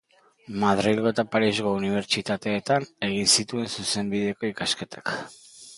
Madrilgo eta Parisko unibertsitateetan egin zituen Zuzenbideko ikasketak.